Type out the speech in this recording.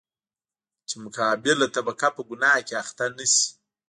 چـې مـقابله طبـقه پـه ګنـاه کـې اخـتـه نـشي.